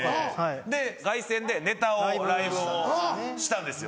で凱旋でネタをライブをしたんですよ。